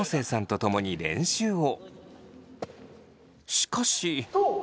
しかし。